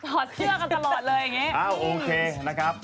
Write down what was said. ถอดเชื่อกันตลอดเลยเงี้ยโอเคนะครับ